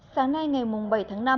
sáng nay ngày bảy tháng năm